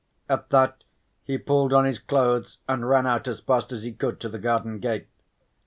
At that he pulled on his clothes and ran out as fast as he could to the garden gate.